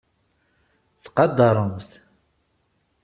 Ttqadaṛemt.